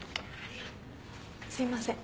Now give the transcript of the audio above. すいません。